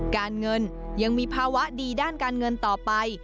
การเงินยังมีภาวะดีด้านการเงินต่อไป